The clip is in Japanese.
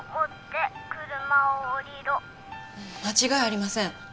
間違いありません。